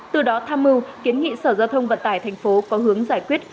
từ đó tham mưu kiến nghị sở giao thông vận tải thành phố có hướng giải quyết